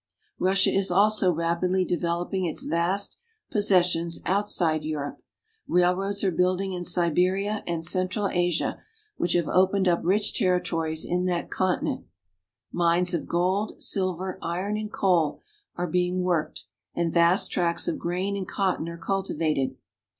Russia is also rapidly developing its vast possessions outside Europe. Railroads are building in Siberia and central Asia, which have opened up rich territories in that IN ST. PETERSBURG. 339 continent. Mines of gold, silver, iron, and coal are being worked, and vast tracts of grain and cotton are cultivated.